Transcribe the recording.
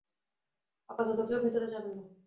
আপাতত কেউ ভেতরে যাবেন না।